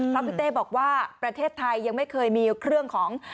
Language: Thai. เพราะพี่เต้บอกว่าประเทศไทยยังไม่เคยมีเครื่องของ